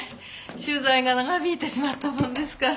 取材が長引いてしまったものですから。